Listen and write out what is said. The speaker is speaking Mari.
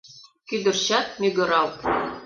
Кӱдырчат, мӱгыралт!